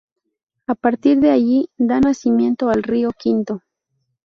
A partir de allí, da nacimiento al río Quinto.